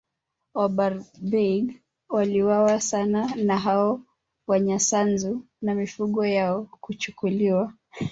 Wabarbaig waliuawa sana na hao Wanyisanzu na mifugo yao kuchukuliwa